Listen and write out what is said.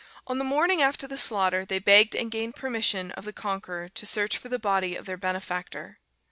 On the morning after the slaughter they begged and gained permission of the Conqueror to search for the body of their benefactor.